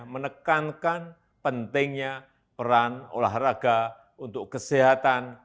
menekankan pentingnya peran olahraga untuk kesehatan